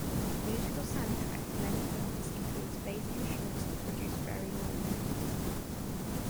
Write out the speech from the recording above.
The musical soundtrack for many films includes bass instruments that produce very low notes.